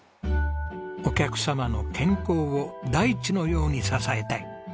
「お客様の健康を大地のように支えたい」。